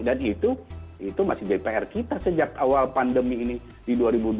dan itu masih jpr kita sejak awal pandemi ini di dua ribu dua puluh